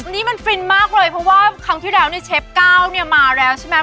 นี่มันฟินมากเลยเพราะว่าครั้งที่แล้วเนี่ยเชฟก้าวเนี่ยมาแล้วใช่ไหม